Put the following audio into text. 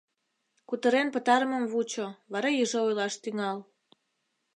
Кутырен пытарымым вучо, вара иже ойлаш тӱҥал».